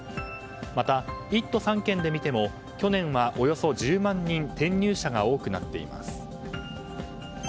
また、１都３県で見ても去年はおよそ１０万人転入者が多くなっています。